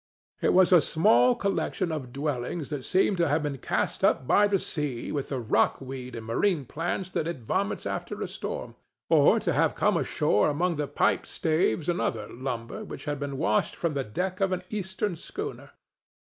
It was a small collection of dwellings that seemed to have been cast up by the sea with the rock weed and marine plants that it vomits after a storm, or to have come ashore among the pipe staves and other lumber which had been washed from the deck of an Eastern schooner.